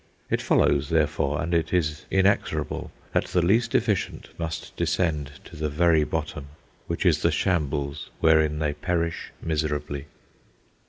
It follows, therefore, and it is inexorable, that the least efficient must descend to the very bottom, which is the shambles wherein they perish miserably.